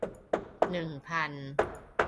หนึ่งพัน